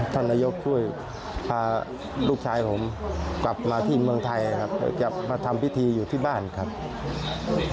ท่านนายกช่วยพาลูกชายผมกลับมาที่เมืองไทยครับจะมาทำพิธีอยู่ที่บ้านครับ